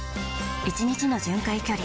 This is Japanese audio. １日の巡回距離